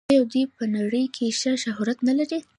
آیا دوی په نړۍ کې ښه شهرت نلري؟